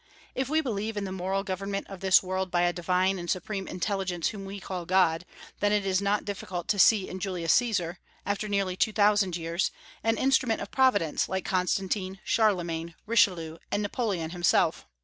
If we believe in the moral government of this world by a divine and supreme Intelligence whom we call God, then it is not difficult to see in Julius Caesar, after nearly two thousand years, an instrument of Providence like Constantine, Charlemagne, Richelieu, and Napoleon himself.